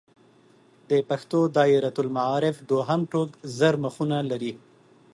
د پښتو دایرة المعارف دوهم ټوک زر مخونه لري.